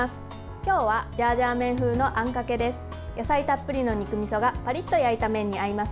今日はジャージャー麺風のあんかけです。